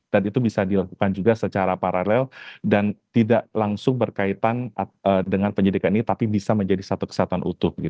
dan itu bisa dilakukan juga secara paralel dan tidak langsung berkaitan dengan penyelidikan ini tapi bisa menjadi satu kesatuan utuh